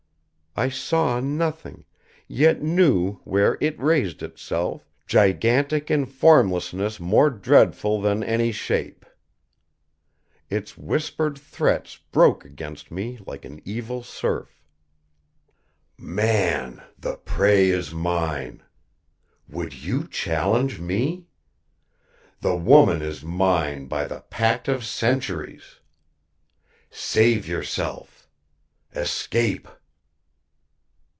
I saw nothing, yet knew where It raised Itself, gigantic in formlessness more dreadful than any shape. Its whispered threats broke against me like an evil surf. "Man, the prey is mine. Would you challenge me? The woman is mine by the pact of centuries. Save yourself. Escape."